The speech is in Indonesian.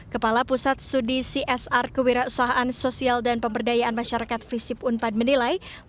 kepala pusat studi csr kewirausahaan sosial dan pemberdayaan masyarakat visip unpad menilai